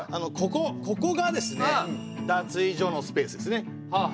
ここここがですね脱衣所のスペースですね。